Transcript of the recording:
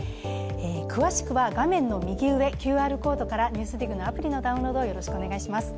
詳しくは画面の右上、ＱＲコードから「ＮＥＷＳＤＩＧ」のアプリのダウンロードをお願いします。